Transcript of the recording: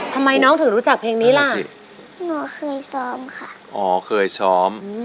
ทำไมน้องถึงรู้จักเพลงนี้ล่ะหนูเคยซ้อมค่ะอ๋อเคยซ้อม